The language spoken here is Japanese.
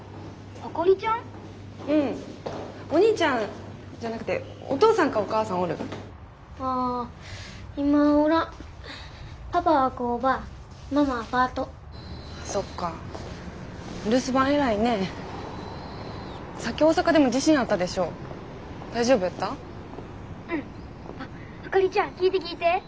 あかりちゃん聞いて聞いて。